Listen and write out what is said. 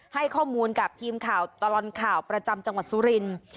ให้ข้อมูลกับทีมข่าวตลอดข่าวประจำจังหวัดสุรินทร์